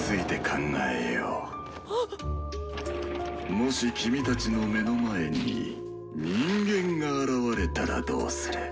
もし君たちの目の前に人間が現れたらどうする？